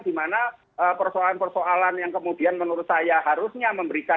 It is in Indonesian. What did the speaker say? dimana persoalan persoalan yang kemudian menurut saya harusnya memberikan